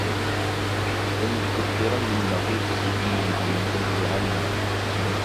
وَمُسْتَكْثِرًا لِلنَّقِيصَةِ فِيهِ لِيَنْتَهِيَ عَنْهَا